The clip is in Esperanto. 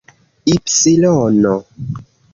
ipsilono